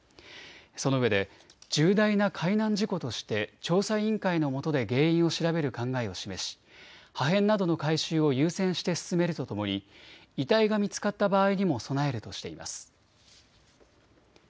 そのうえで重大な海難事故として調査委員会のもとで原因を調べる考えを示し、破片などの回収を優先して進めるとともに遺体が見つかった場合にも備えるとしています。